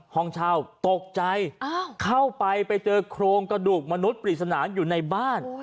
ห้องเช่าตกใจเข้าไปไปเจอโครงกระดูกมนุษย์ปริศนาอยู่ในบ้าน